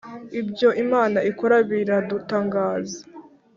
ibyo imana ikora biradutangaza